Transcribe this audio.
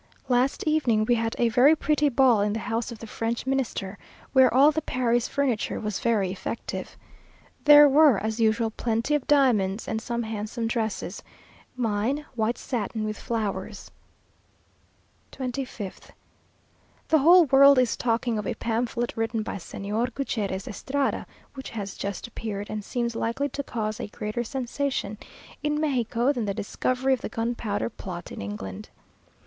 Last evening we had a very pretty ball in the house of the French Minister, where all the Paris furniture was very effective. There were as usual plenty of diamonds, and some handsome dresses mine white satin, with flowers. 25th. The whole world is talking of a pamphlet written by Señor Gutierrez Estrada, which has just appeared, and seems likely to cause a greater sensation in Mexico than the discovery of the gunpowder plot in England.